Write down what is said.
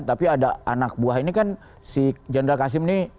tapi ada anak buah ini kan si jenderal kasim ini